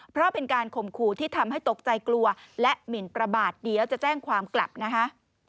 เพราะเป็นการข่มขู่ที่ทำให้ตกใจกลัวและหมินประมาทเดี๋ยวจะแจ้งความกลับนะคะ